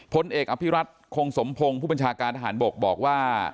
พลเอกอภิรัตคงสมพงศ์ผู้บัญชาการทหารบกบอกว่า